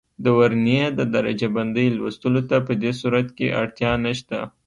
د ورنیې د درجه بندۍ لوستلو ته په دې صورت کې اړتیا نه شته.